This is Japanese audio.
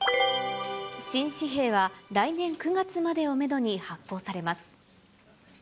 新紙幣は、来年９月までをメドに発行されます。